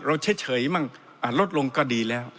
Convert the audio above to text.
เราเฉยบ้างอ่ะลดลงก็ดีแล้ว